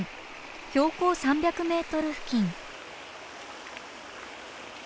標高３００ｍ付近。